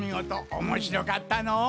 おもしろかったのう。